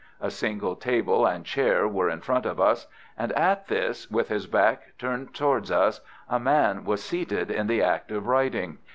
A single table and chair were in front of us, and at this, with his back turned towards us, a man was seated in the act of writing.